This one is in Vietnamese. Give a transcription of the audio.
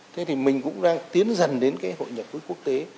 thế thì mình cũng đang tiến dần đến cái hội nhập với quốc tế